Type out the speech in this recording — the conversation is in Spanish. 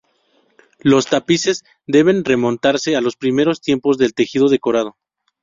Los tapices deben remontarse a los primeros tiempos del tejido decorado.